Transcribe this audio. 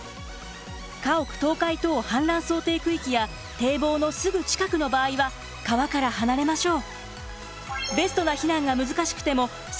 「家屋倒壊等氾濫想定区域」や堤防のすぐ近くの場合は川から離れましょう。